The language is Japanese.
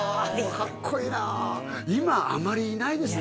かっこいいなあ今あまりいないですね